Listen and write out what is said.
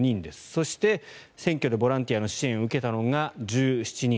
そして、選挙でボランティアの支援を受けたのが１７人。